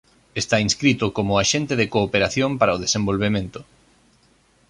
Está inscrito como Axente de Cooperación para o Desenvolvemento.